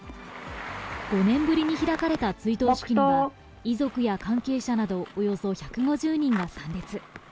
５年ぶりに開かれた追悼式には、遺族や関係者などおよそ１５０人が参列。